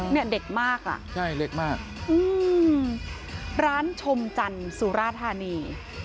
เนี่ยเด็กมากอะอืมร้านชมจรรย์สุราธารณี